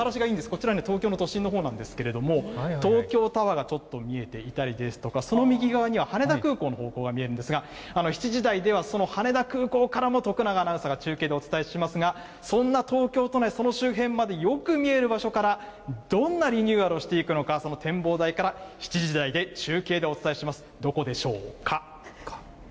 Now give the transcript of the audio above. こちら、東京の都心のほうなんですけれども、東京タワーがちょっと見えていたりですとか、その右側には羽田空港の方向が見えるんですけれども、７時台では、その羽田空港からも徳永アナウンサーが中継でお伝えしますが、そんな東京都内、その周辺までよく見える場所から、どんなリニューアルをしていくのか、その展望台から７時台で中継でお伝えします。